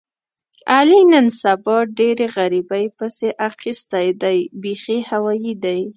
علي نن سبا ډېر غریبۍ پسې اخیستی دی بیخي هوایي دی.